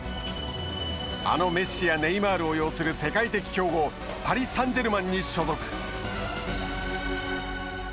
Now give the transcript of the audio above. あのメッシやネイマールを擁する世界的強豪パリ・サンジェルマンに所属。